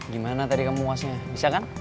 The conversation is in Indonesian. gimana tadi kamu wasnya bisa kan